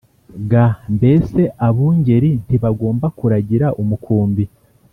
G mbese abungeri ntibagomba kuragira umukumbi